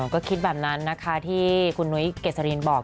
ก็คิดแบบนั้นนะคะที่คุณนุ้ยเกษรินบอก